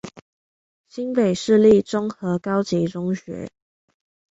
新北市立中和高級中學